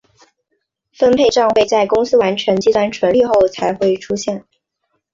分配帐会在公司完成计算纯利后才出现。